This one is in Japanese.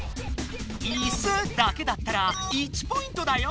「いす」だけだったら１ポイントだよ